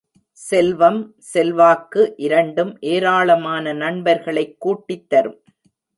செல்வம், செல்வாக்கு இரண்டும் ஏராளமான நண்பர்களைக் கூட்டித் தரும்.